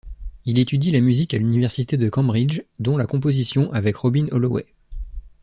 Il étudie la musique à l'Université de Cambridge, dont la composition avec Robin Holloway.